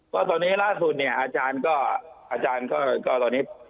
ก็ตอนนี้ล่าสุดเนี่ยอาจารย์ก็อาจารย์ก็กรณี